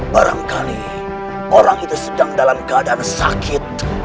barangkali orang itu sedang dalam keadaan sakit